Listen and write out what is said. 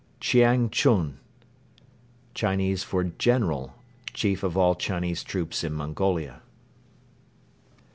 Chiang Chun. Chinese for "General" Chief of all Chinese troops in Mongolia.